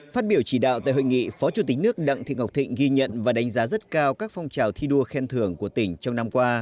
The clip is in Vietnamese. phát biểu chỉ đạo tại hội nghị phó chủ tịch nước đặng thị ngọc thịnh ghi nhận và đánh giá rất cao các phong trào thi đua khen thưởng của tỉnh trong năm qua